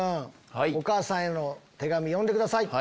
お母さんへの手紙読んでください。